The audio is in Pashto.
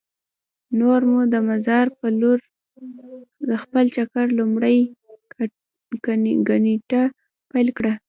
نور مو د مزار په لور د خپل چکر لومړۍ ګېنټه پیل کړه.